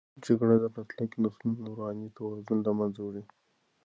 جګړه د راتلونکو نسلونو رواني توازن له منځه وړي.